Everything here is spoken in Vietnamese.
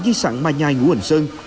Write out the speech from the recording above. di sản mai nhai ngũ hành sơn